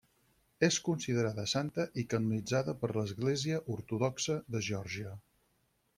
És considerada santa i canonitzada per l'Església Ortodoxa de Geòrgia.